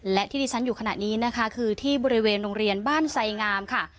และที่ที่ฉันอยู่ขณะนี้นะคะคือที่บริเวณโรงเรียนบ้านไสงามค่ะ